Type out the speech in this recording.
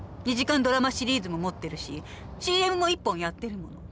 ２時間ドラマシリーズも持ってるしＣＭも１本やってるもの。